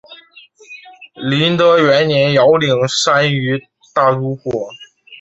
麟德元年遥领单于大都护。